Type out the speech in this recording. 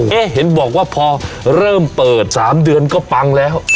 เห็นบอกว่าพอเริ่มเปิด๓เดือนก็ปังแล้ว